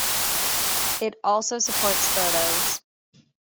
It also supports photos.